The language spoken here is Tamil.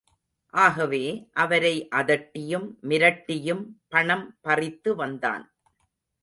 ஆகவே, அவரை அதட்டியும், மிரட்டியும் பணம் பறித்து வந்தான்.